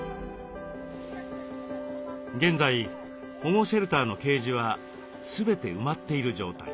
現在保護シェルターのケージは全て埋まっている状態。